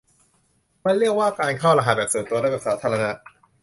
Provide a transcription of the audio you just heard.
มันเรียกว่าการเข้ารหัสแบบส่วนตัวและแบบสาธารณะ